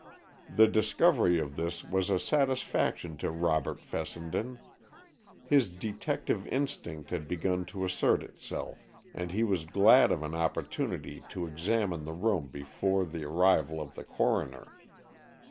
The discovery of this was a satisfaction to Robert Fessenden. His detective instinct had begun to assert itself, and he was glad of an opportunity to examine the room before the arrival of the coroner.